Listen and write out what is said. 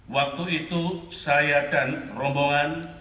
waktu itu saya dan rombongan